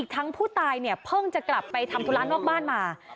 ทั้งผู้ตายเนี่ยเพิ่งจะกลับไปทำธุระนอกบ้านมา